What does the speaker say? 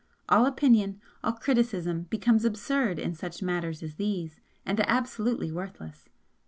All opinion, all criticism becomes absurd in such matters as these and absolutely worthless.